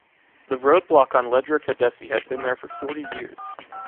The road block on Ledra Caddesi had been there for forty years.